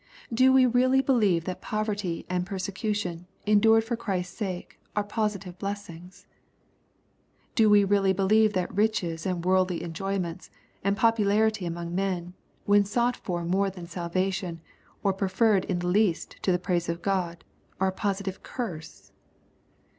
Do we really believe that poverty and persecution, endured for Christ's sake, are positive blessings ? Do we really believe that riches and worldly enjoyments, and popularity among men, when sought for more than salvation, or preferred in the least to the praise of God, are a positive curse